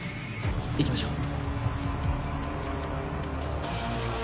行きましょう。